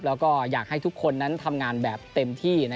แล้วก็อยากให้ทุกคนนั้นทำงานแบบเต็มที่